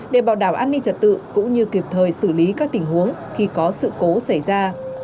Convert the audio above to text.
để bảo đảm an ninh trật tự cũng như kịp thời xử lý các tình huống khi có sự cố xảy ra